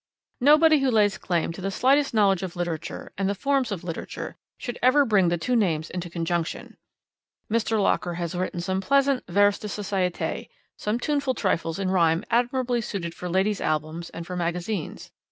Nobody who lays claim to the slightest knowledge of literature and the forms of literature should ever bring the two names into conjunction. Mr. Locker has written some pleasant vers de societe, some tuneful trifles in rhyme admirably suited for ladies' albums and for magazines.